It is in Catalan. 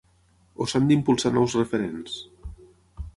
O s’han d’impulsar nous referents?